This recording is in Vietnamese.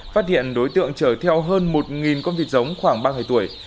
phát hiện đối tượng chở theo hơn một con vịt giống khoảng ba ngày tuổi